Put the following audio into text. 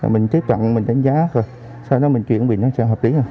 mình tiếp cận mình đánh giá rồi sau đó mình chuyển bệnh nó sẽ hợp lý